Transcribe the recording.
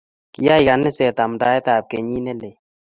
Kiyay kaniset amndaet ab kenyit ne lel